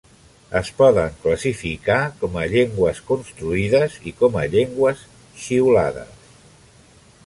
Es poden classificar com a llengües construïdes i com a llengües xiulades.